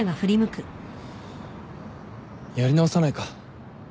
やり直さないか？